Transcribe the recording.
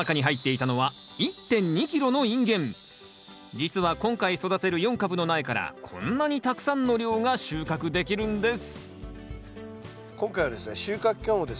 実は今回育てる４株の苗からこんなにたくさんの量が収穫できるんです